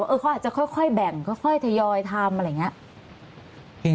เขาอาจจะค่อยแบ่งค่อยทยอยทำอะไรอย่างนี้